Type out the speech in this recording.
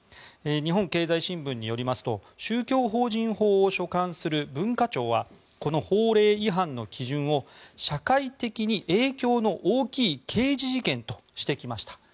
日本経済新聞によりますと宗教法人法を所管する文化庁はこの法令違反の基準を社会的に影響の大きい刑事事件としてきました。